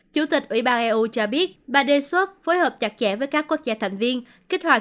chủ tịch ủy ban eu cho biết bà đề xuất phối hợp chặt chẽ với các quốc gia thành viên kích hoạt